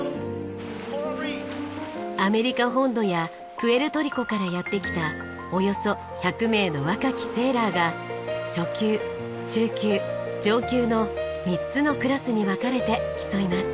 アメリカ本土やプエルトリコからやって来たおよそ１００名の若きセーラーが初級中級上級の３つのクラスに分かれて競います。